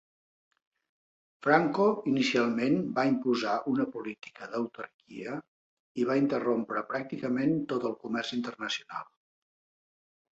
Franco inicialment va imposar una política d'autarquia i va interrompre pràcticament tot el comerç internacional.